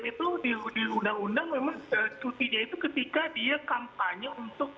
jadi memang presiden itu diundang undang memang cutinya itu ketika dia kampanye untuk